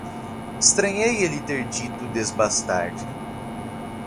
Estranhei ele ter dito “desbastar”.